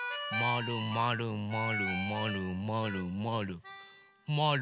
まるまるまるまるまるまるまる。